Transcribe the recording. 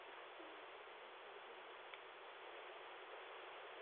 Působil pak jako advokát.